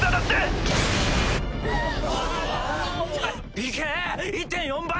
いけ１．４倍！